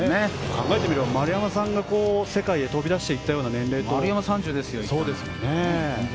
考えてみれば丸山さんが世界に飛び出していったような年齢と。